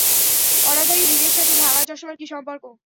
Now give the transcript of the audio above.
অনাদায়ী ঋণের সাথে ভাঙা চশমার কী সম্পর্ক?